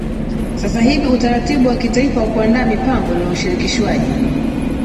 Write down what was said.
Sasa hivi utaratibu wa kitaifa wa kuandaa mipango ni wa ushirikishwaji